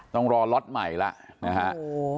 ต้องรอล็อตใหม่แล้ว